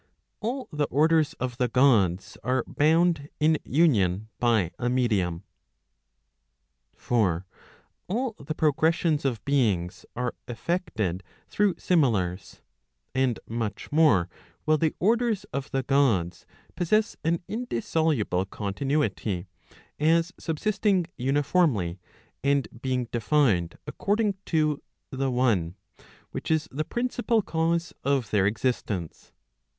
All the orders of the Gods are bound in union by a medium. For all the progressions of beings are effected through similars; and much more will the orders of the Gods possess an indissoluble continuity, as subsisting uniformly, and being defined according to the one , which is the principal cause of their existence.